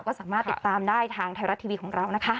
ก็สามารถติดตามได้ทางไทยรัฐทีวีของเรานะคะ